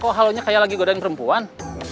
kok halonya kayak lagi godain perempuan